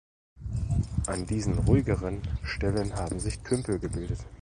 An diesen ruhigeren Stellen haben sich Tümpel gebildet.